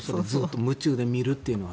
夢中で見るというのは。